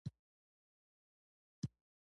زه او اکبر جان به وګرځو را وګرځو.